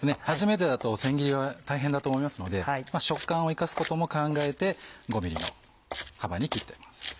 初めてだと千切りは大変だと思いますので食感を生かすことも考えて５ｍｍの幅に切っています。